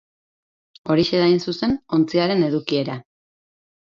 Horixe da, hain zuzen, ontziaren edukiera.